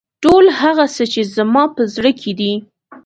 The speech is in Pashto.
ټول هغه څه چې زما په زړه کې دي.